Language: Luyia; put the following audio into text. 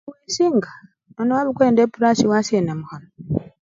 Khwisinga nono wabukula nende eburashi washena mukhanwa.